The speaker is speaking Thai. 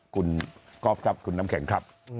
คุณกอล์ฟครับคุณน้ำแข็งครับ